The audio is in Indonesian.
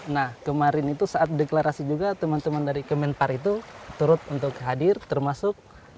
nah kemarin itu saat deklarasi juga teman teman dari kemenpar itu turut untuk hadir termasuk